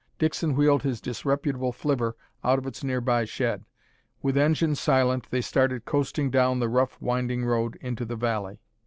Dixon wheeled his disreputable flivver out of its nearby shed. With engine silent they started coasting down the rough winding road into the valley.